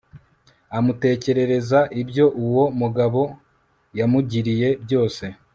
amutekerereza ibyo uwo mugabo yamugiriye byose